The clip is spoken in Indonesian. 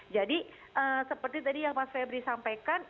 jadi seperti tadi yang mas febri sampaikan